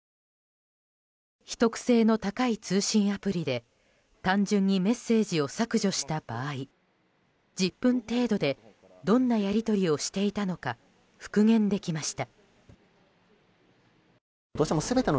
秘匿性の高い通信アプリで単純にメッセージを削除した場合１０分程度でどんなやり取りをしていたのか復元できました。